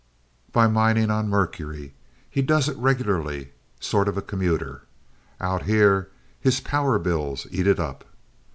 "By mining on Mercury. He does it regularly sort of a commuter. Out here his power bills eat it up.